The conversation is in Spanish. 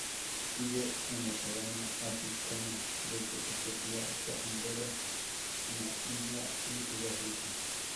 Vive en la sabana africana, desde Etiopía hasta Angola, Namibia y Sudáfrica.